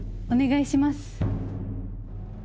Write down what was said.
お願いします。